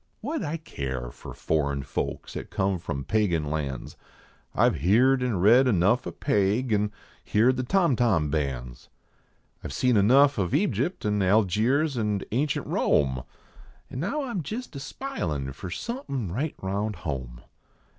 What d I care for foreign folks at come from pagan lands? I ve heerd an read enough of Paig, an heard the torn torn bands. I ve seen enough of Egypt, n Algiers, nd ancient Rome, An now I m jist a spilin for somepiif right round home.